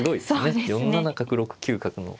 ４七角６九角の。